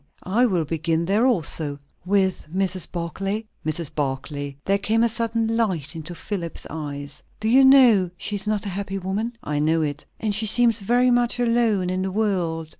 I will begin there also." "With Mrs. Barclay." "Mrs. Barclay!" There came a sudden light into Philip's eyes. "Do you know, she is not a happy woman?" "I know it." "And she seems very much alone in the world."